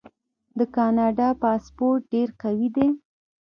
د کاناډا پاسپورت ډیر قوي دی.